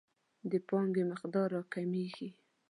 د پانګې مقدار راکمیږي.